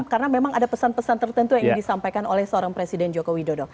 karena memang ada pesan pesan tertentu yang disampaikan oleh seorang presiden jokowi dodo